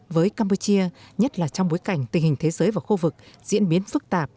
với campuchia nhất là trong bối cảnh tình hình thế giới và khu vực diễn biến phức tạp